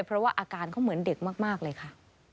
เพราะว่าอาการเขาเหมือนเด็กมากเลยค่ะ